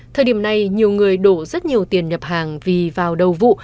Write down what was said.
thời điểm này nhiều người đổ rất nhiều tiền nhập hàng vì vào đầu vụ